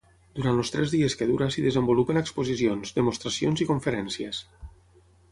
Durant els tres dies que dura s'hi desenvolupen exposicions, demostracions i conferències.